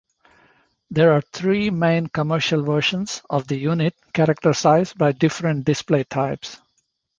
There are three main commercial versions of the unit characterized by different display types.